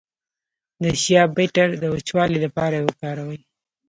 د شیا بټر د وچوالي لپاره وکاروئ